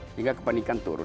sehingga kepanikan turun